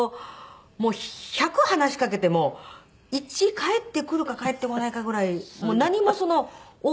もう１００話しかけても１返ってくるか返ってこないかぐらい何も応答がないというか。